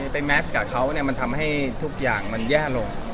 ไปแม็กซ์กับเขาเนี่ยมันทำให้ทุกอย่างมันแย่ลง